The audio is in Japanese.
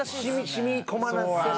染み込ませないと。